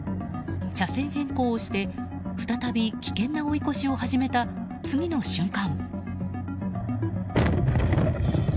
車線変更をして再び危険な追い越しを始めた次の瞬間。